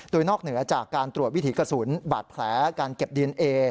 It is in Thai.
โดยนอกเหนือจากการตรวจวิถีกระสุนบาดแผลการเก็บดีเอนเอ